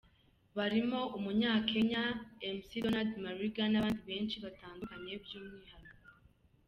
barimo Umunyakenya Mc Donald Mariga, nabandi benshi batandukanye byumwihariko.